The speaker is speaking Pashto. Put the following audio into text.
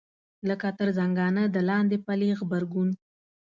لکه تر زنګانه د لاندې پلې غبرګون.